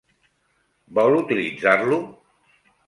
Vol utilitzar-lo?